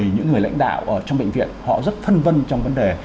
những người lãnh đạo ở trong bệnh viện họ rất phân vân trong vấn đề